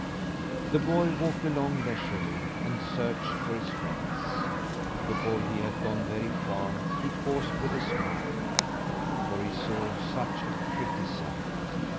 The boy walked along leisurely and searched for his friends. Before he had gone very far, he paused with a smile, for he saw such a pretty sight.